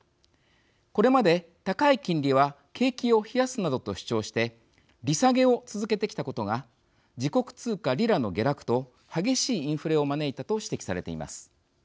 これまで高い金利は景気を冷やすなどと主張して利下げを続けてきたことが自国通貨リラの下落と激しいインフレを招いたと指摘されています。